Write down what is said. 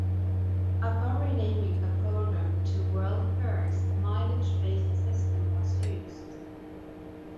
Upon renaming the program to "WorldPerks", a mileage-based system was used.